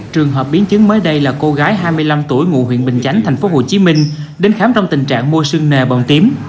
trường hợp biến chứng mới đây là cô gái hai mươi năm tuổi ngụ huyện bình chánh tp hcm đến khám trong tình trạng môi sương nề bồng tím